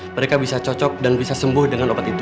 mereka bisa cocok dan bisa sembuh dengan obat itu